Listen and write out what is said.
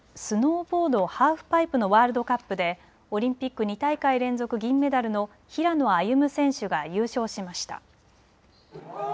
スノーボードハーフパイプのワールドカップでオリンピック２大会連続銀メダルの平野歩夢選手が優勝しました。